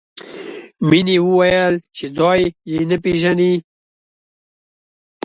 مینې وویل چې ځای یې نه پېژني